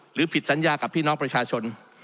ผิดสัญญากับพี่น้องประชาชน